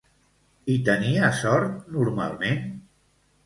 Hi tenia sort, normalment?